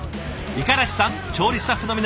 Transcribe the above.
五十嵐さん調理スタッフの皆さん